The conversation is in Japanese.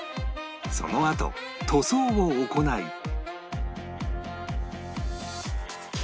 そのあと塗装を行い